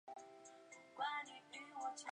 川边町为岐阜县加茂郡所辖的町。